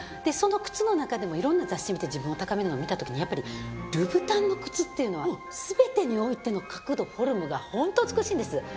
その靴の中でもいろんな雑誌見て自分を高めるのを見たときにやっぱりルブタンの靴っていうのは全てにおいての角度フォルムがホント美しいんです。